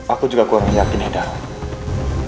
aku juga kurang yakin hidau